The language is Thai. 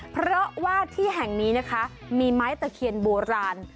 เพราะว่าที่แห่งนี้นะคะมีไม้ตะเคียนโบราณ